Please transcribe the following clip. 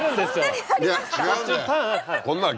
いや違うんだよ。